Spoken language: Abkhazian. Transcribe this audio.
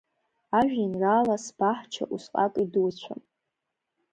Ажәеинраала Сбаҳча усҟак идуцәам.